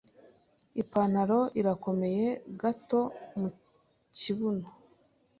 Ipantaro irakomeye gato mukibuno.